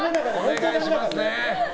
お願いしますね。